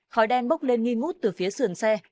khói đen bốc lên nghi ngút từ phía sườn xe